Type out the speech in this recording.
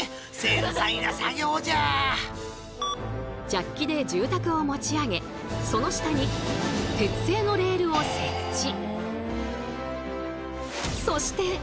ジャッキで住宅を持ち上げその下に鉄製のレールを設置。